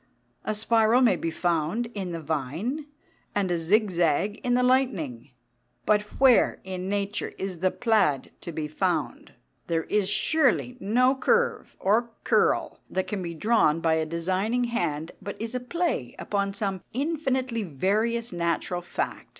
A spiral may be found in the vine, and a zig zag in the lightning, but where in nature is the plaid to be found? There is surely no curve or curl that can be drawn by a designing hand but is a play upon some infinitely various natural fact.